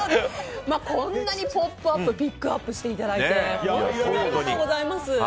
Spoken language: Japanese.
こんなに「ポップＵＰ！」ピックアップしていただいて本当にありがとうございます。